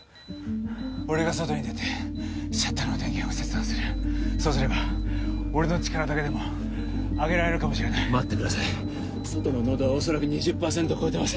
俺が外に出てシャッターの電源を切断するそうすれば俺の力だけでも上げられるかもしれない待ってください外の濃度は恐らく２０％超えてます